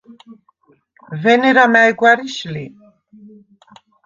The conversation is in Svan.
ვენერა მა̈ჲ გვა̈რიშ ლი?